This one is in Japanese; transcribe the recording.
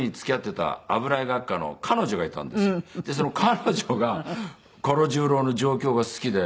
でその彼女が唐十郎の「状況」が好きで。